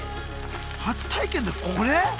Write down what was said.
初体験でこれ？